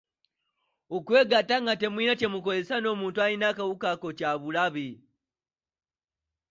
Okwegatta nga tewali kye mukozesezza n’omuntu alina akawuka ako kya bulabe.